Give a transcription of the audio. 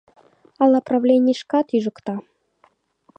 Ала правленийышкат ӱжыкта.